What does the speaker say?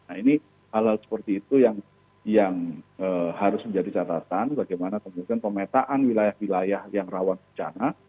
nah ini hal hal seperti itu yang harus menjadi catatan bagaimana kemudian pemetaan wilayah wilayah yang rawan bencana